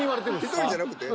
１人じゃなくて？